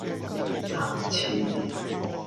七千